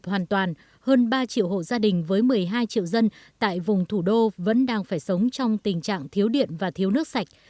hơn ba triệu hộ gia đình với một mươi hai triệu dân tại vùng thủ đô vẫn đang phải sống trong tình trạng thiếu điện và thiếu nước sạch